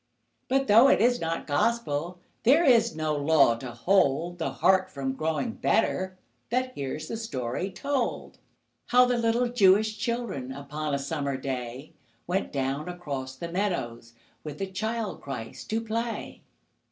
But though it is not Gospel, There is no law to hold The heart from growing better That hears the story told: How the little Jewish children Upon a summer day, Went down across the meadows With the Child Christ to play.